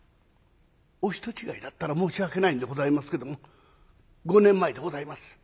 「お人違いだったら申し訳ないんでございますけども５年前でございます。